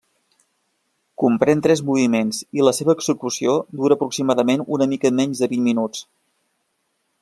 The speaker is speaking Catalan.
Comprèn tres moviments i la seva execució dura aproximadament una mica menys de vint minuts.